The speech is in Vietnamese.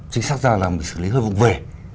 chính xác ra là phải xử lý hơi vụng về